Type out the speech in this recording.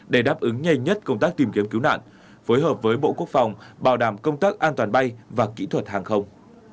để đáp ứng nhanh nhất công tác tìm kiếm cứu nạn phối hợp với bộ quốc phòng bảo đảm công tác an toàn bay và kỹ thuật hàng không